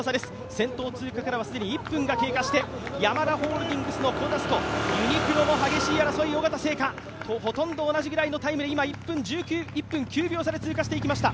先頭通過から既に１分が経過してヤマダホールディングス・小指とユニクロの激しい争い、尾方星華、ほとんど同じくらいの差で、１分９秒差で通過していきました。